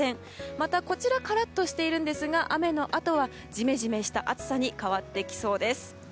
また、こちらカラッとしているんですが雨のあとはジメジメした暑さに変わってきそうです。